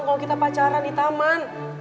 kalau kita pacaran di taman